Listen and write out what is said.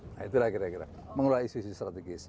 nah itulah kira kira mengelola isu isu strategis